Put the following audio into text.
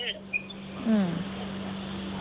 อืม